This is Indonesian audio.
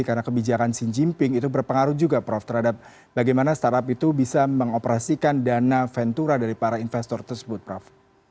karena kebijakan si jinping itu berpengaruh juga prof terhadap bagaimana startup itu bisa mengoperasikan dana ventura dari para investor tersebut prof